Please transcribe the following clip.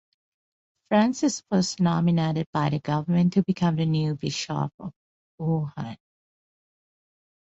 Francis was nominated by the government to become the new bishop of Wuhan.